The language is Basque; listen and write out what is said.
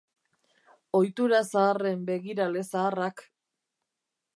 Ohitura zaharren begirale zaharrak.